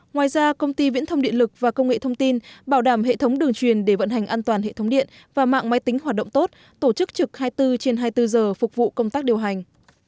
ngoài ra công ty viễn thông điện lực và công nghệ thông tin bảo đảm hệ thống đường truyền để vận hành an toàn hệ thống điện và mạng máy tính hoạt động tốt tổ chức trực hai mươi bốn trên hai mươi bốn giờ phục vụ công tác điều hành